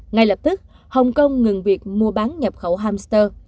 ngay lập tức hồng kông ngừng việc mua bán nhập khẩu hamster